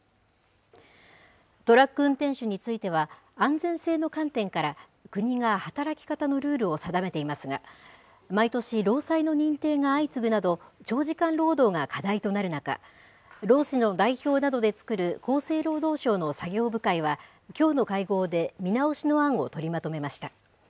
トラック運転手については、安全性の観点から、国が働き方のルールを定めていますが、毎年、労災の認定が相次ぐなど、長時間労働が課題となる中、労使の代表などで作る厚生労働省の作業部会はきょうの会合で見直しの案を取りまとめました。